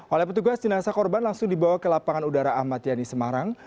oleh petugas jenazah korban langsung dibawa ke lapangan udara ahmad yani semarang